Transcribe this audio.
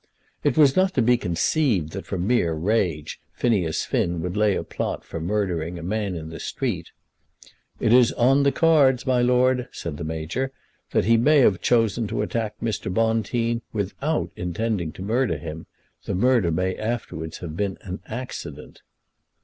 It was not to be conceived that from mere rage Phineas Finn would lay a plot for murdering a man in the street. "It is on the cards, my lord," said the Major, "that he may have chosen to attack Mr. Bonteen without intending to murder him. The murder may afterwards have been an accident."